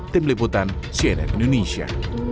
tim liputan cnn indonesia